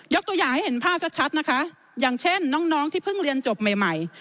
ตัวอย่างให้เห็นภาพชัดนะคะอย่างเช่นน้องที่เพิ่งเรียนจบใหม่ใหม่